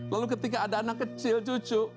lalu ketika ada anak kecil cucu